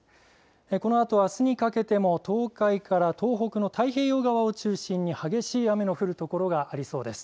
このあとあすにかけても東海から東北の太平洋側を中心に激しい雨の降る所がありそうです。